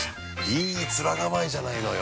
いい面構えじゃないのよ。